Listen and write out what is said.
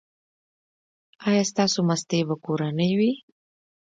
ایا ستاسو ماستې به کورنۍ وي؟